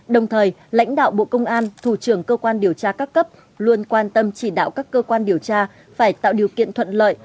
đồng thời lãnh đạo bộ công an thủ trưởng cơ quan điều tra các cấp luôn quan tâm chỉ đạo các cơ quan điều tra phải tạo điều kiện thuận lợi